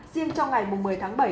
riêng cho ngày một mươi tháng bảy